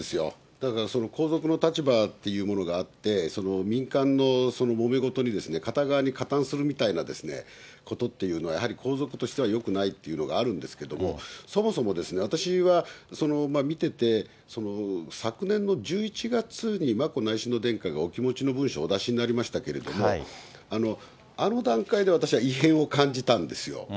だから皇族の立場っていうものがあって、民間のもめ事に、片側に加担するみたいなことっていうのはやはり皇族としてはよくないっていうのがあるんですけれども、そもそも私は見てて、昨年の１１月に、眞子内親王殿下がお気持ちの文書をお出しになりましたけども、あの段階で私は異変を感じたんですよ。